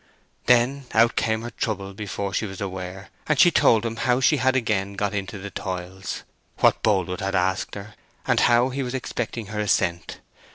Then out came her trouble before she was aware; and she told him how she had again got into the toils; what Boldwood had asked her, and how he was expecting her assent.